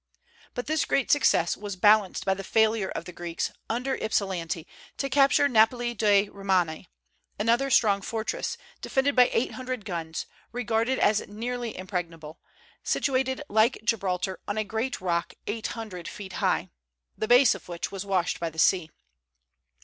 But this great success was balanced by the failure of the Greeks, under Ypsilanti, to capture Napoli di Romania, another strong fortress, defended by eight hundred guns, regarded as nearly impregnable, situated, like Gibraltar, on a great rock eight hundred feet high, the base of which was washed by the sea.